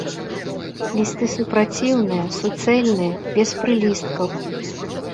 Лісты супраціўныя, суцэльныя, без прылісткаў.